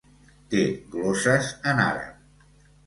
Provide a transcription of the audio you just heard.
Té glosses en àrab.